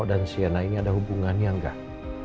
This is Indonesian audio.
dan sienna ini ada hubungannya enggak